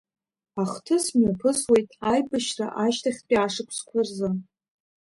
Ахҭыс мҩаԥысуеит аибашьра ашьҭахьтәи ашықәсқәа рзы.